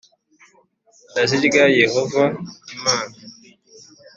Ndazirya yehova imana